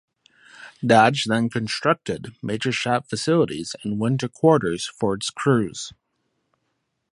Dodge then constructed major shop facilities and winter quarters for its crews.